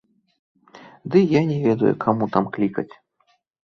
Ды і я не ведаю, каму там клікаць.